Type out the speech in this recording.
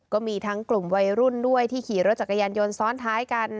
ก็มีทั้งกลุ่มวัยรุ่นด้วยที่ขี่รถจักรยานยนต์ซ้อนท้ายกัน